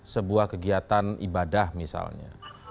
sebuah kegiatan ibadah misalnya